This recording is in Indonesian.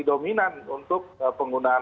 dominan untuk penggunaan